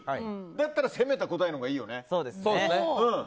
だったら攻めた答えのほうがいいよね。